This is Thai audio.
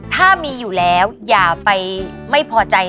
ถ้ามีอยู่แล้วอย่าไปไม่พอใจ